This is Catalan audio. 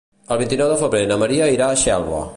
El vint-i-nou de febrer na Maria irà a Xelva.